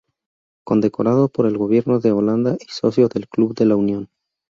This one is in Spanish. Condecorado por el gobierno de Holanda y socio del Club de La Unión.